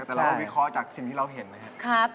แต่เราก็วิเคราะห์จากสิ่งที่เราเห็นนะครับ